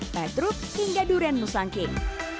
petruk hingga durian nusanking